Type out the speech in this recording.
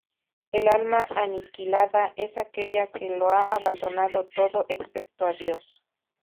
El "alma aniquilada" es aquella que lo ha abandonado todo excepto a Dios.